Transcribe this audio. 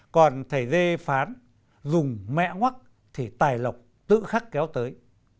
còn thầy d phán dùng mẹ ngoắc thì tài lộc tự khắc kéo tới